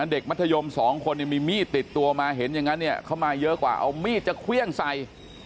มัธยม๒คนมีมีดติดตัวมาเห็นอย่างนั้นเนี่ยเข้ามาเยอะกว่าเอามีดจะเครื่องใส่